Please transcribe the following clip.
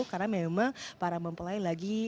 karena memang para mempelai lagi